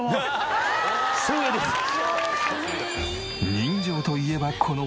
人情といえばこの男。